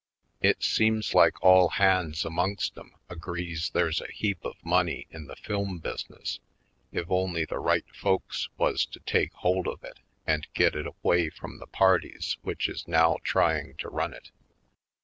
It seems like all hands amongst 'em agrees there's a heap of money in the film business if only the right folks was to take hold of it and get it away from the parties which is now trying to run it.